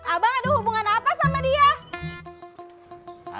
abang ada hubungan apa sama dia